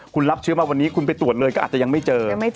คุณรับเชื้อมาวันนี้คุณไปตรวจเลยก็อาจจะยังไม่เจอ